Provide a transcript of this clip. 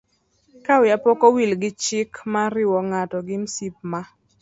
Ka wiya pok owil gi chik mar riwo ng'ato gi msip ma